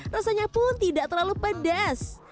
rasanya pun tidak terlalu pedas